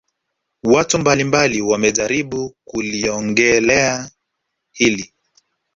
Watu mbali mbali wamejaribu kuliongelea hili